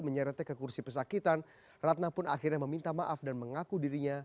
menyeretnya ke kursi pesakitan ratna pun akhirnya meminta maaf dan mengaku dirinya